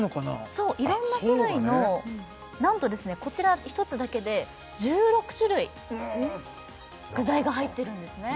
そういろんな種類のなんとですねこちら１つだけで１６種類具材が入ってるんですね